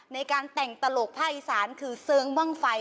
ในการแต่งตลกภาคอีสานคือเสิร์งบ้างไฟ